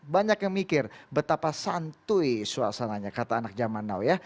banyak yang mikir betapa santui suasananya kata anak zaman now ya